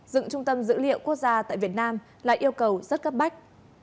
dựng trung tâm dữ liệu quốc gia tại việt nam là yêu cầu rất cấp bách